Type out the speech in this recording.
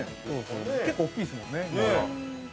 ◆結構、大きいですもんね、実が。